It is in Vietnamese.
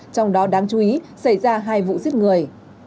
trong đó đáng chú ý xảy ra hai vụ giết người